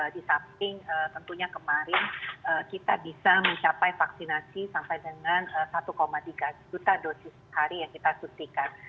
di samping tentunya kemarin kita bisa mencapai vaksinasi sampai dengan satu tiga juta dosis hari yang kita suntikan